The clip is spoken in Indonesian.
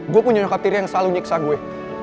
gue punya nyokap tiri yang selalu nyiksa gue